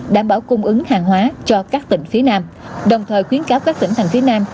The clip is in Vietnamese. đảm bảo cung ứng hàng hóa cho các tỉnh phía nam đồng thời khuyến cáo các tỉnh thành phía nam